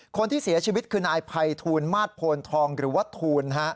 คนที่เสียชีวิตคือนายภัยทูลมาสโพนทองหรือว่าทูล